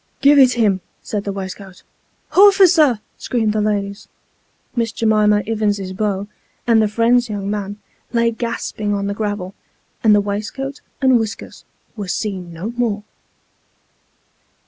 " Give it him," said the waistcoat. " Horficer !" screamed the ladies. Miss J'mima Ivins's beau, and the friend's young man, lay gasping on the gravel, and the waistcoat and whiskers were seen no more.